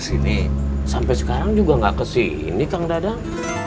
sini sampai sekarang juga enggak kesini kang dadan